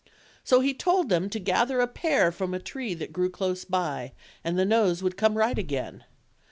So he told them to gather a pear from a tree that grew close by, and th* nose would come right again.